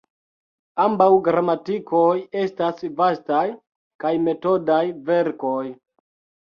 Ambaŭ gramatikoj estas vastaj kaj metodaj verkoj.